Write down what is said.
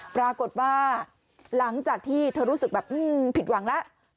ปรากฏว่าหลังจากที่เธอรู้สึกแบบผิดหวังแล้ว